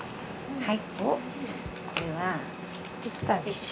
はい。